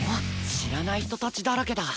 知らない人たちだらけだ。